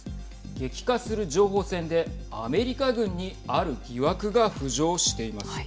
激化する情報戦でアメリカ軍にある疑惑が浮上しています。